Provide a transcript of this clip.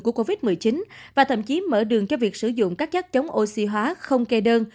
của covid một mươi chín và thậm chí mở đường cho việc sử dụng các chất chống oxy hóa không kê đơn